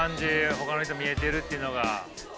ほかの人見えてるっていうのが。